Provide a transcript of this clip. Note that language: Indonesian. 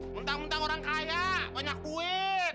minta minta orang kaya banyak duit